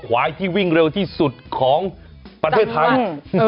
ควายที่วิ่งเร็วที่สุดของประเทศไทย